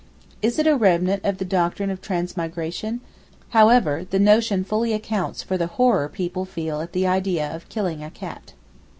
Is it a remnant of the doctrine of transmigration? However the notion fully accounts for the horror the people feel at the idea of killing a cat.